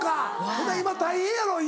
ほな今大変やろ家。